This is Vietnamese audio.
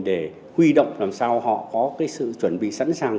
để huy động làm sao họ có cái sự chuẩn bị sẵn sàng